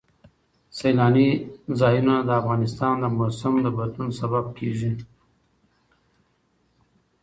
سیلانی ځایونه د افغانستان د موسم د بدلون سبب کېږي.